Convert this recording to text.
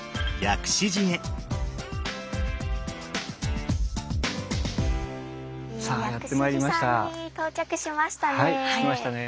薬師寺さんに到着しましたね。